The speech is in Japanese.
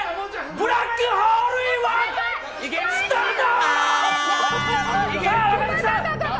「ブラックホールホンワン」スタート！